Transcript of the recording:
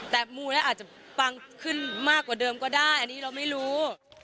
แต่มูแล้วอาจจะปังขึ้นมากกว่าเดิมก็ได้อันนี้เราไม่รู้